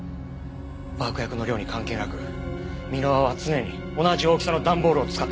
爆薬の量に関係なく箕輪は常に同じ大きさの段ボールを使ってた。